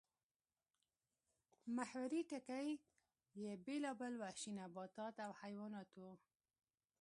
محوري ټکی یې بېلابېل وحشي نباتات او حیوانات وو